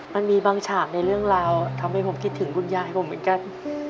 มันมีบางฉากในเรื่องราวทำให้ผมคิดถึงคุณยายผมเหมือนกัน